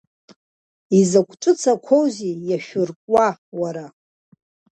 Изакәытә ҵәыцақәоузеи иашәыркуа, уара.